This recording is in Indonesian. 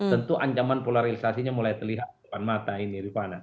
tentu ancaman polarisasinya mulai terlihat depan mata ini rifana